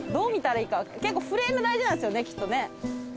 結構フレーム大事なんですよねきっとね。